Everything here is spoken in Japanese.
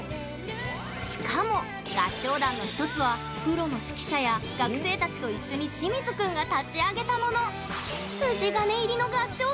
しかも、合唱団の１つはプロの指揮者や学生たちと一緒に清水くんが立ち上げたもの。